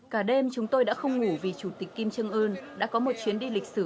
cả đêm chúng tôi đã không ngủ vì chủ tịch kim trương ưn đã có một chuyến đi lịch sử